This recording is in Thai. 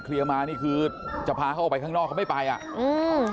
เคลี่ยร์มานี่คือจะพาเข้าไปข้างนอกเค้าไม่ไปอ่ะอืม